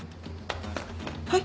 はい。